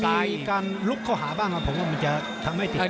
ถ้ามีการลุกเข้าหาบ้างแล้วก็มันจะทำให้ติดจาก